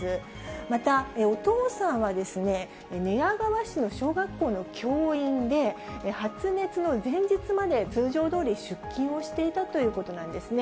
またお父さんは、寝屋川市の小学校の教員で、発熱の前日まで通常どおり出勤をしていたということなんですね。